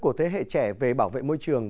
của thế hệ trẻ về bảo vệ môi trường